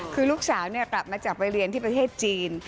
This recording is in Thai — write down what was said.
คือลูกสาวกลับมาจากไปเรียนที่ประเทศจีน